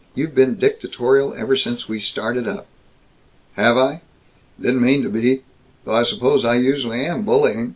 You have been dictatorial ever since we started up " "Have I? Didn't mean to be. Though I suppose I usually am bullying.